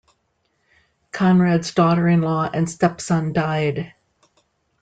Conrad's daughter-in-law and stepson died.